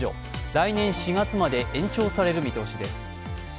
来年４月まで延長される見通しです。